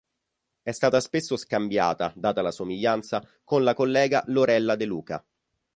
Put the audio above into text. È stata spesso scambiata, data la somiglianza, con la collega Lorella De Luca.